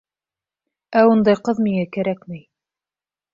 Ә ундай ҡыҙ миңә кәрәкмәй.